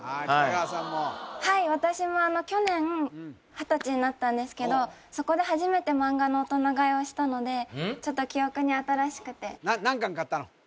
ああ北川さんもはい私もあの去年二十歳になったんですけどそこで初めて漫画の大人買いをしたのでちょっと記憶に新しくて何巻買ったの？